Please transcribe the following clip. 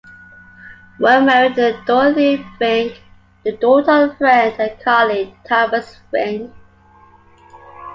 Worm married Dorothea Fincke, the daughter of a friend and colleague, Thomas Fincke.